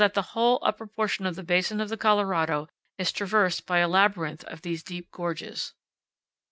the whole upper portion of the basin of the Colorado is traversed by a labyrinth of these deep gorges.